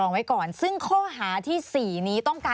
มีความรู้สึกว่ามีความรู้สึกว่า